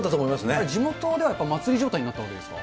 あれ、地元では祭り状態になったわけですか？